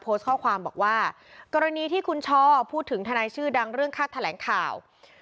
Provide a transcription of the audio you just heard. โพสต์ข้อความบอกว่ากรณีที่คุณช่อพูดถึงทนายชื่อดังเรื่องค่าแถลงข่าว